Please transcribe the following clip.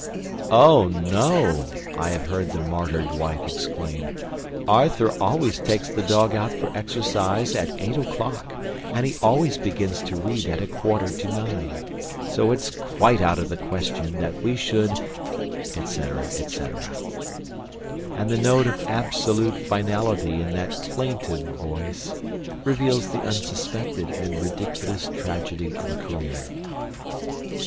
"Oh, no," I have heard the martyred wife exclaim, "Arthur always takes the dog out for exercise at eight o'clock and he always begins to read at a quarter to nine. So it's quite out of the question that we should..." etc., etc. And the note of absolute finality in that plaintive voice reveals the unsuspected and ridiculous tragedy of a career.